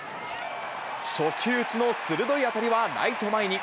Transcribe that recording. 初球打ちの鋭い当たりはライト前に。